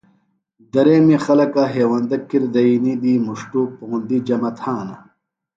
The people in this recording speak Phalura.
دریمی خلکہ ہیوندہ کِر دئینی دی مُݜٹوۡ پوندیۡ جمع تھانہ۔